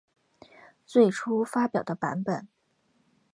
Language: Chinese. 最初发表的版本。